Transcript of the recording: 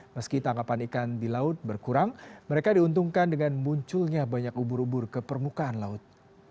meski tangkapan ikan di laut berkurang mereka diuntungkan dengan munculnya banyak ubur ubur ke permukaan laut